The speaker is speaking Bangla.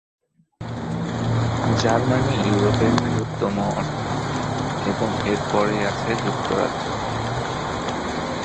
জার্মানি ইউরোপের বৃহত্তম অর্থনীতি এবং এর পরেই আছে যুক্তরাজ্য।